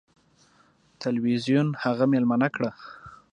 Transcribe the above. تلویزیون هغه میلمنه کړه.